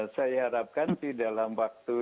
saya harapkan di dalam waktu